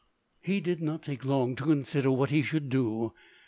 He did not take long to consider what he should do.